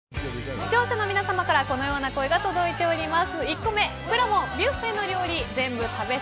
視聴者の皆さまからこのような声が届いております。